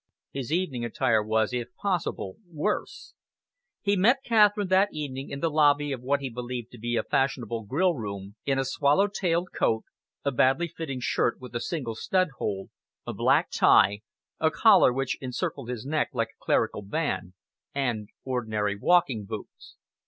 His evening attire was, if possible, worse. He met Catherine that evening in the lobby of what he believed to be a fashionable grillroom, in a swallow tailed coat, a badly fitting shirt with a single stud hole, a black tie, a collar which encircled his neck like a clerical band, and ordinary walking boots.